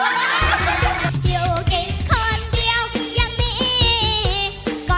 น้องแก่มร้อง